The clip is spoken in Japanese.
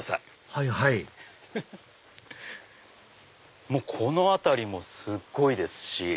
はいはいこの辺りもすごいですし。